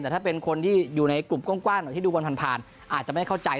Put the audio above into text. แต่ถ้าเป็นคนที่อยู่ในกลุ่มกว้างหน่อยที่ดูบอลผ่านอาจจะไม่เข้าใจ